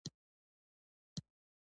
• ونه مرغانو ته ښه ژوند ورکوي.